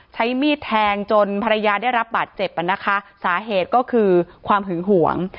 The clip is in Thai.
ใช้มีดแทงจนภรรยาได้รับบาดเจ็บอ่ะนะคะสาเหตุก็คือความหึงหวง